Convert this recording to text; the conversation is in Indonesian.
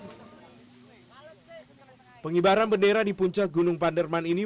pengibaran bendera di puncak gunung panderman ini